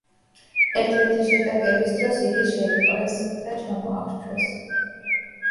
ერთ-ერთი შეტაკების დროს იგი შეიპყრეს და ჩამოახრჩვეს.